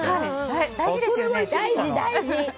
大事、大事。